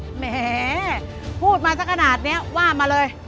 แหมพูดมาสักขนาดนี้ว่ามาเลย